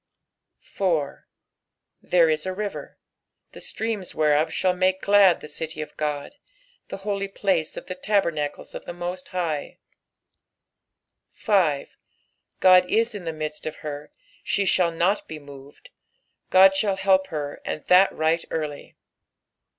4 T/tere is a river, the streams whereof shall make glad the city of God, the ho\y place of the tabernacles of the Most High. PSALH THE FOBTT SIXTH. 381 5 God i^ in the midst of her ; she shall not be moved :. God shall help her, and that right early.